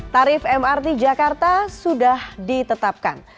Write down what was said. tarif mrt jakarta sudah ditetapkan